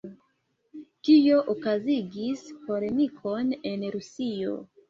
Tio okazigis polemikon en Rusio.